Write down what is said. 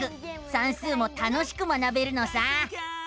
算数も楽しく学べるのさ！